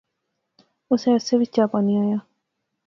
اسے عرصے وچ چاء پانی آیا